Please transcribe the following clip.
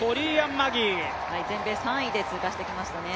全米３位で通過してきましたね。